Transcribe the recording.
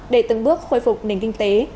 để từng bước khôi phục nền kinh tế